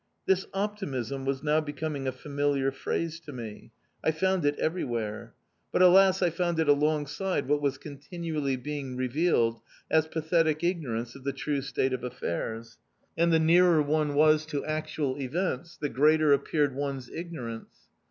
This optimism was now becoming a familiar phrase to me. I found it everywhere. But alas! I found it alongside what was continually being revealed as pathetic ignorance of the true state of affairs. And the nearer one was to actual events the greater appeared one's ignorance.